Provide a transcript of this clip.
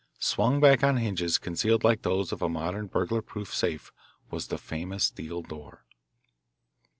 Swung back on hinges concealed like those of a modern burglar proof safe was the famous steel door.